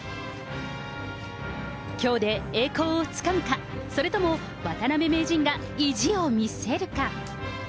きょうで栄光をつかむか、それとも渡辺名人が意地を見せるか。